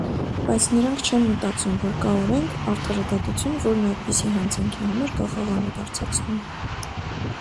Բայց նրանք չեն մտածում, որ կա օրենք, արդարադատություն, որն այդպիսի հանցանքի համար կախաղան է բարձրացնում…